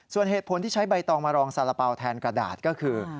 ส่วนเหตุผลที่ใช้ใบตองมารองสารเป๋าแทนกระดาษก็คือ